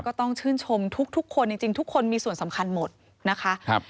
ก็ต้องชื่นชมทุกคนจริงทุกคนมีส่วนสำคัญหมดนะคะ